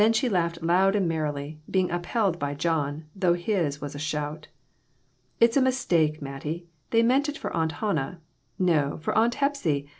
she laughed loud and merrily, being upheld by John, though his was a shout. "It's a mistake, Mattie; they mean it for Aunt Hannah ; no, for Aunt Hepsy.